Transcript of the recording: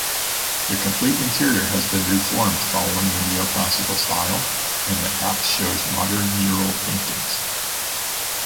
The complete interior has been reformed following the neoclassic style and the apse shows modern mural paintings.